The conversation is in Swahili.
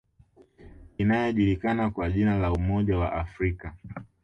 Inayojulikana kwa jina la Umoja wa Afrika